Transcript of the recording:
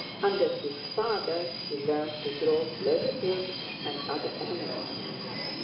Under his father he learned to draw pleasure pigs and other animals.